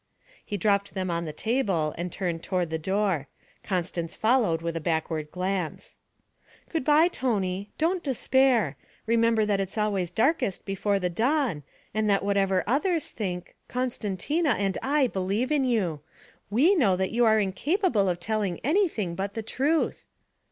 He dropped them on the table and turned toward the door; Constance followed with a backward glance. 'Good bye, Tony; don't despair. Remember that it's always darkest before the dawn, and that whatever others think, Costantina and I believe in you. We know that you are incapable of telling anything but the truth!'